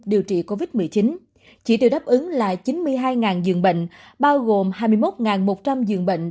điều trị covid một mươi chín chỉ tiêu đáp ứng là chín mươi hai giường bệnh bao gồm hai mươi một một trăm linh giường bệnh